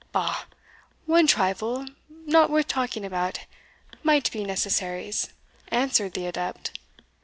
"Bah! one trifle, not worth talking about, maight be necessaries," answered the adept.